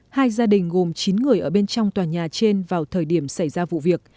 hai gia đình gồm chín người ở bên trong tòa nhà trên vào thời điểm xảy ra vụ việc